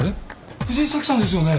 藤井早紀さんですよね？